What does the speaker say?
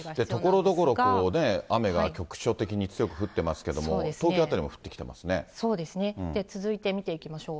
ところどころで雨が局所的に強く降っていますけれども、東京そうですね、続いて見ていきましょう。